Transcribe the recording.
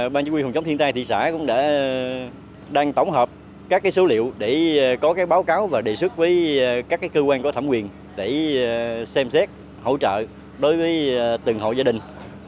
ban chí quy hill trống thiên tai thị xã cũng đang tổng hợp các số liệu để có báo cáo và đề xuất với các cơ quan có thẩm quyền để xem xét hỗ trợ đối với từng hộ gia đình